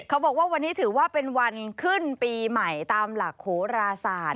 เขาบอกว่าวันนี้ถือว่าเป็นวันขึ้นปีใหม่ตามหลักโหราศาสตร์